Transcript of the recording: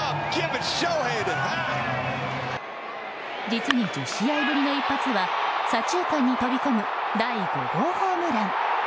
実に１０試合ぶりの一発は左中間に飛び込む第５号ホームラン。